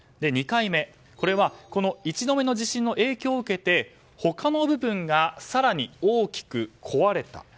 ２回目は１度目の地震の影響を受けて他の部分が更に大きく壊れた。